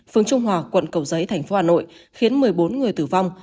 phường trung hòa quận cầu giấy tp hà nội khiến một mươi bốn người tử vong